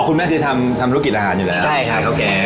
อ๋อคุณแม่คือทำทำรุกกิจอาหารอยู่แล้วใช่ครับขายข้าวแกง